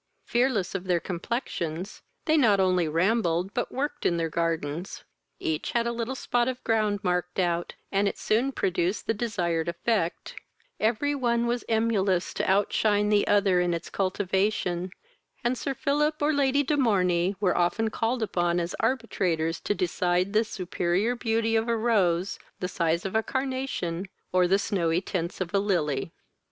Fearless of their complexions, they not only rambled but worked in their gardens. Each had a little spot of ground marked out, and it soon produced the desired effect; every one was emulous to outshine the other in its cultivation, and Sir Philip or Lady de Morney were often called upon as arbitrators to decide the superior beauty of a rose, the size of a carnation, or the snowy tints of a lily.